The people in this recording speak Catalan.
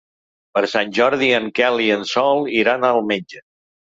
Per Sant Jordi en Quel i en Sol iran al metge.